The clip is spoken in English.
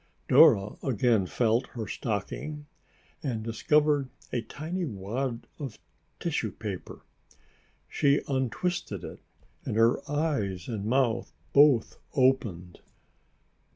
Dora again felt her stocking and discovered a tiny wad of tissue paper. She untwisted it and her eyes and mouth both opened.